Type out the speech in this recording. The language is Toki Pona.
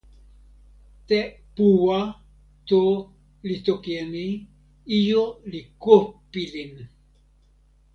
te "puwa" to li toki e ni: ijo li ko pilin.